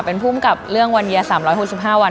เป็นผู้กำกับเรื่องวันเยียร์๓๖๕วัน